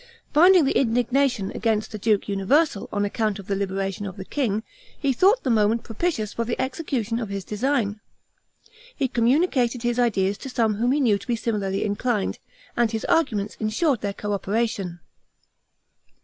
Finding the indignation against the duke universal, on account of the liberation of the king, he thought the moment propitious for the execution of his design. He communicated his ideas to some whom he knew to be similarly inclined, and his arguments ensured their co operation.